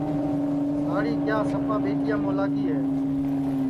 ساڑی کِیا سپا ٻیٹِیا مولا کی ہے